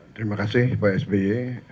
terima kasih pak sby